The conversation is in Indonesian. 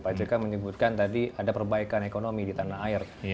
pak jk menyebutkan tadi ada perbaikan ekonomi di tanah air